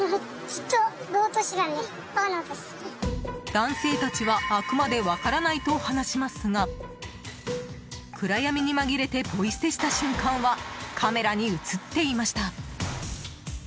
男性たちはあくまで分からないと話しますが暗闇に紛れてポイ捨てした瞬間はカメラに映っていました。